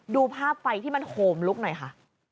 ดูภาพไฟที่มันโหมลุกหน่อยค่ะ